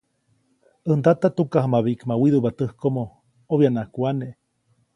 ‒ʼäj ndata tukajamabiʼkma widuʼpa täjkomo, obyaʼnaʼajk wane-.